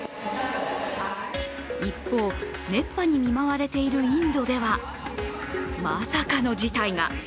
一方、熱波に見舞われているインドではまさかの事態が。